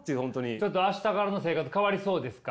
ちょっと明日からの生活変わりそうですか？